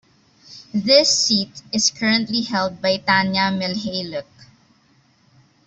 This seat is currently held by Tania Mihailuk.